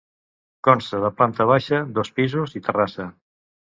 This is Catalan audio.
Consta de planta baixa, dos pisos i terrassa.